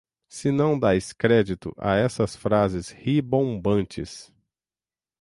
Se não dais crédito a essas frases ribombantes